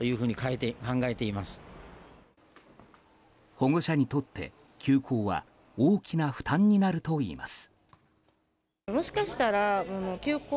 保護者にとって、休校は大きな負担になるといいます。